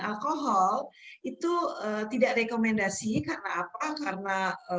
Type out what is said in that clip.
alkohol itu tidak rekomendasi karena apa karena